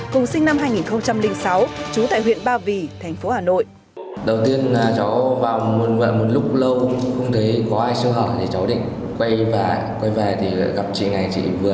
cùng sinh năm hai nghìn sáu trú tại huyện ba vì thành phố hà nội